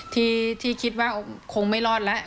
ที่คิดว่าคงไม่รอดแล้ว